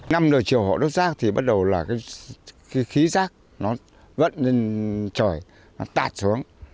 năm đầu chiều hộ đốt rác thì bắt đầu là khí rác nó vất lên trời nó tạt xuống